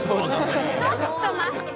ちょっと待って。